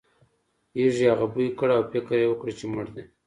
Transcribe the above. یږې هغه بوی کړ او فکر یې وکړ چې مړ دی.